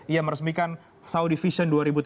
ia meresmikan saudi vision dua ribu tiga puluh